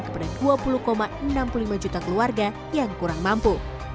kepada dua puluh enam puluh lima juta keluarga yang kurang mampu